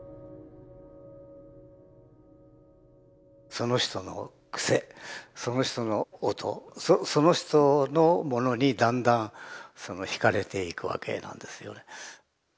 その人の癖その人の音その人のものにだんだんひかれていくわけなんですよね。